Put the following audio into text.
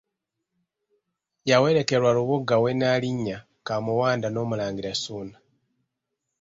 Yawerekerwa Lubuga we Nnaalinya Kamuwanda n'Omulangira Ssuuna.